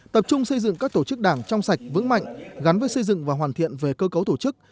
tập trung xây dựng các tổ chức đảng trong sạch vững mạnh gắn với xây dựng và hoàn thiện về cơ cấu tổ chức